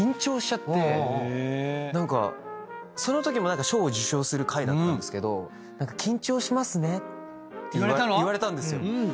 何かそのときも賞を受賞する会だったんですけど「緊張しますね」って言われたんですよ。